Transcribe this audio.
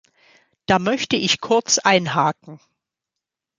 Da möchte ich kurz einhaken.